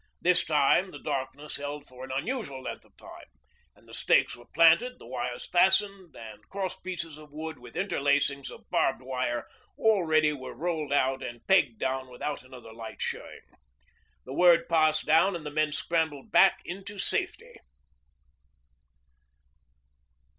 This time the darkness held for an unusual length of time, and the stakes were planted, the wires fastened, and cross pieces of wood with interlacings of barbed wire all ready were rolled out and pegged down without another light showing. The word passed down and the men scrambled back into safety.